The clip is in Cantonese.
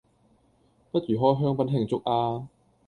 不如開香檳慶祝吖？